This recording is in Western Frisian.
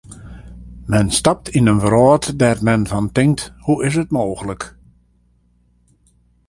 Men stapt yn in wrâld dêr't men fan tinkt: hoe is it mooglik.